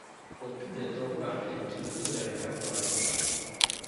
On put bientôt remarquer qu’il ne tolérait pas qu’on l’approchât.